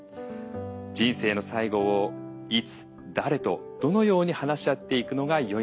人生の最後をいつ誰とどのように話し合っていくのがよいのか。